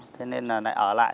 thế nên là lại ở lại